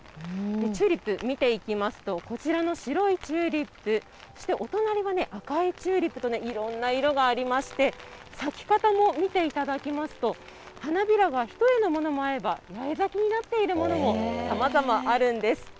チューリップ見ていきますと、こちらの白いチューリップ、そしてお隣はね、赤いチューリップといろんな色がありまして、咲き方も見ていただきますと、花びらが一重のものもあれば、八重咲になっているものも、さまざまあるんです。